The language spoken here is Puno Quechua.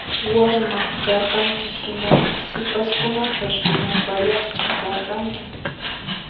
Wayna karqanki hinaqa sipaskunata rimapayaqcha karqanki